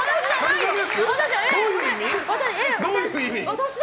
どういう意味？